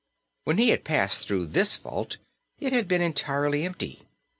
When he had passed through this vault it had been entirely empty.